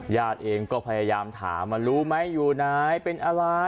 ญาติเองก็พยายามถามว่ารู้ไหมอยู่ไหนเป็นอะไร